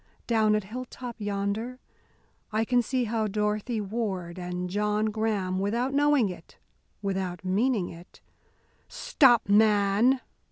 Down at Hilltop yonder I can see how Dorothy Ward and John Graham, without knowing it, without meaning it " "Stop, man!"